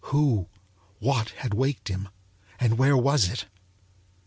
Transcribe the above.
Who what had waked him, and where was it?